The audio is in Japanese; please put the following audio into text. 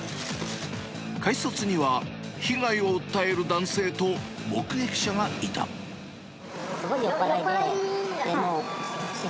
改札には、被害を訴える男性と目すごい酔っ払いで。